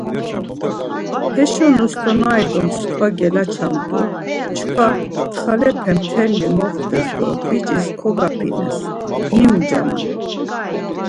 Heşo nostonyari do mskva gelaçamt̆u çkva, txalepe mtelli moxtes do biç̌is kogapines, niucaman.